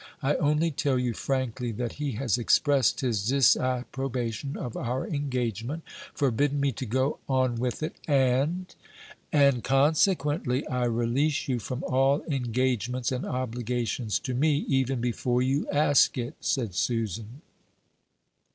I only tell you, frankly, that he has expressed his disapprobation of our engagement, forbidden me to go on with it, and " "And, consequently, I release you from all engagements and obligations to me, even before you ask it," said Susan.